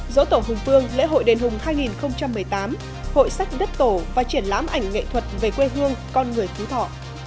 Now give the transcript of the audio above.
dỗ tổ hùng phương lễ hội đền hùng hai nghìn một mươi tám hội sách đất tổ và triển lãm ảnh nghệ thuật về quê hương con người phú thọ